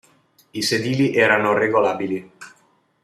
I sedili erano regolabili.